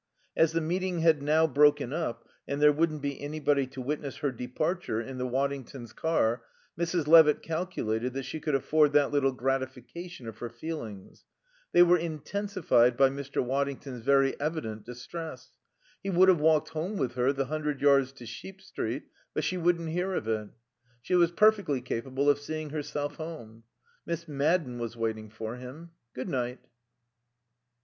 As the meeting had now broken up, and there wouldn't be anybody to witness her departure in the Waddingtons' car, Mrs. Levitt calculated that she could afford that little gratification of her feelings. They were intensified by Mr. Waddington's very evident distress. He would have walked home with her the hundred yards to Sheep Street, but she wouldn't hear of it. She was perfectly capable of seeing herself home. Miss Madden was waiting for him. Good night.